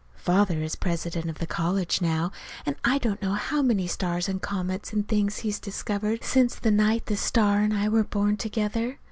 Father is president of the college now, and I don't know how many stars and comets and things he's discovered since the night the star and I were born together.